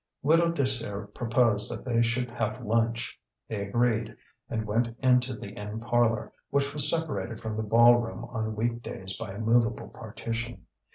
Widow Désir proposed that they should have lunch. They agreed, and went into the inn parlour, which was separated from the ball room on weekdays by a movable partition.